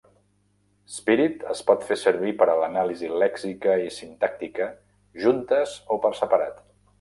Spirit es pot fer servir per a l'anàlisi lèxica i sintàctica, juntes o per separat.